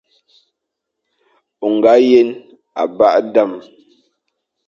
O nga yen abaghle dam ;